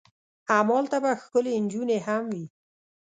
همالته به ښکلې نجونې هم وي.